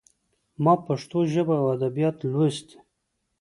ما پښتو ژبه او ادبيات لوستي.